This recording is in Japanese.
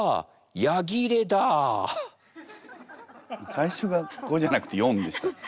最初が五じゃなくて四でした。